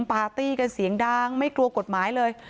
ปาร์ตี้กันเสียงดังไม่กลัวกฎหมายเลย